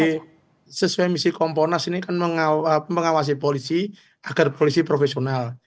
jadi sesuai misi kompolnas ini kan mengawasi polisi agar polisi profesional